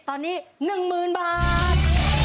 ตอนนี้๑๐๐๐บาท